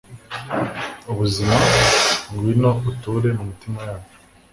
ubuzima, ngwino uture mu mitima yacu